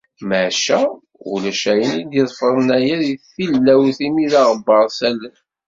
maca ulac ayen i d-iḍefren aya di tilawt, imi d aɣebbar s allen.